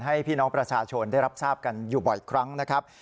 ให้พี่น้องประชาชนได้รับทราบกันอยู่บ่อยครั้งนะครับ